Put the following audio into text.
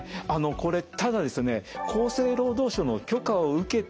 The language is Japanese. これただですね